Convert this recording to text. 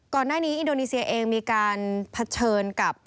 ก่อนหน้านี้อินโดนีเซียเองมีการเผชิญกับ